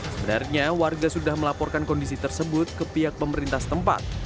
sebenarnya warga sudah melaporkan kondisi tersebut ke pihak pemerintah setempat